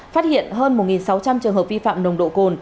phát hiện hơn một sáu trăm linh trường hợp vi phạm nồng độ cồn